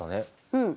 うん。